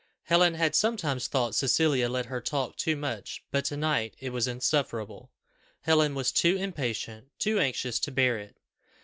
Helen had sometimes thought Cecilia let her talk too much, but to night it was insufferable. Helen was too impatient, too anxious to bear it.